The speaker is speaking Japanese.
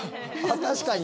確かに。